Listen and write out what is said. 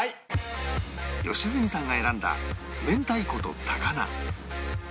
良純さんが選んだ明太子と高菜